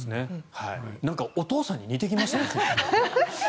なんかお父さんに似てきましたね。